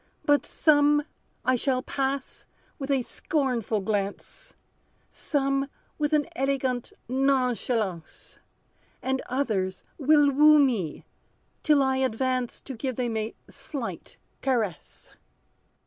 But some I shall pass with a scornful glance, Some, with an elegant nonchalance; And others will woo me, till I advance To give them a slight caress."